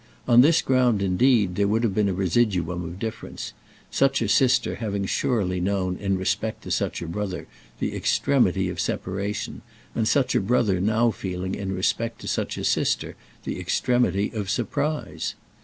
On this ground indeed there would have been a residuum of difference; such a sister having surely known in respect to such a brother the extremity of separation, and such a brother now feeling in respect to such a sister the extremity of surprise.